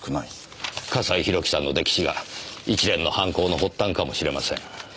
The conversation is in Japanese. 笠井宏樹さんの溺死が一連の犯行の発端かもしれません。